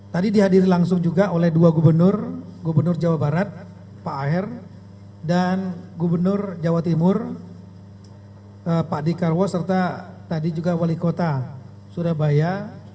tadi dihadiri langsung juga oleh dua gubernur gubernur jawa barat pak aher dan gubernur jawa timur pak dekarwo serta tadi juga wali kota surabaya